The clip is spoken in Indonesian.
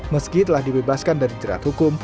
meski telah dibebaskan dari jerat hukum